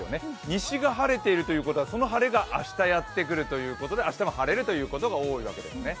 西が晴れているということは、その晴れが明日やってくるわけで明日も晴れるということが多いわけですね。